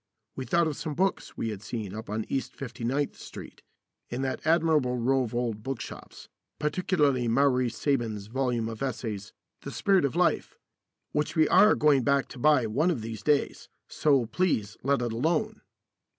We thought of some books we had seen up on East Fifty ninth Street, in that admirable row of old bookshops, particularly Mowry Saben's volume of essays, "The Spirit of Life," which we are going back to buy one of these days; so please let it alone.